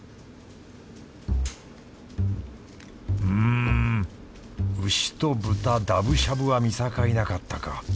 うん牛と豚ダブしゃぶは見境なかったか。